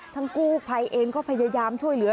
กู้ภัยเองก็พยายามช่วยเหลือ